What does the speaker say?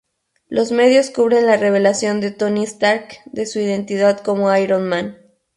Los medios cubren la revelación de Tony Stark de su identidad como Iron Man.